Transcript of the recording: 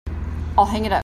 I'll hang it up.